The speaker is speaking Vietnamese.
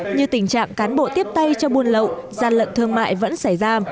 như tình trạng cán bộ tiếp tay cho buôn lậu gian lận thương mại vẫn xảy ra